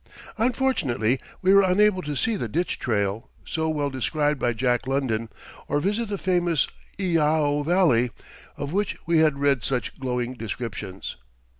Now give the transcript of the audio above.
Unfortunately we were unable to see the Ditch Trail, so well described by Jack London, or visit the famous Iao Valley, of which we had read such glowing descriptions.